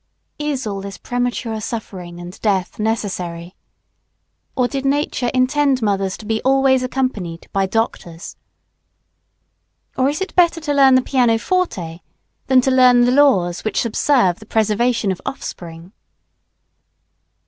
Is all this premature suffering and death necessary? Or did Nature intend mothers to be always accompanied by doctors? Or is it better to learn the piano forte than to learn the laws which subserve the preservation of offspring?